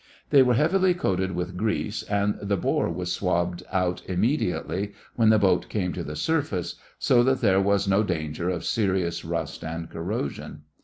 They were heavily coated with grease and the bore was swabbed out immediately when the boat came to the surface, so that there was no danger of serious rust and corrosion.